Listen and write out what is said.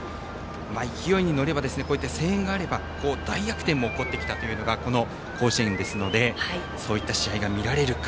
勢いに乗ればこういった声援があれば大逆転も起こってきたのがこの甲子園ですのでそういった試合が見られるか。